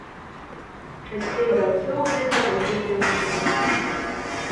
Часцей за ўсё гэта робяць дзяўчыны.